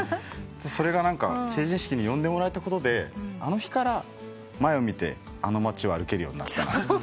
それが成人式に呼んでもらえたことであの日から前を見てあの町を歩けるようになった。